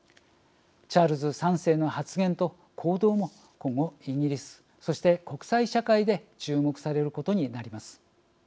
チャールズ３世の発言と行動も今後イギリスそして国際社会で注目されることになります。